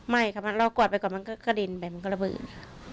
ไม่ค่ะมันรอกว่าไปก่อนมันก็กระดิ่นไปมันก็ระเบิด